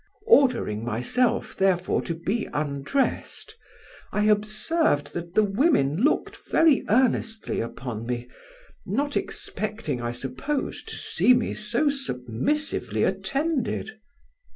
Ordering myself, therefore, to be undressed, I observed that the women looked very earnestly upon me, not expecting, I suppose, to see me so submissively attended.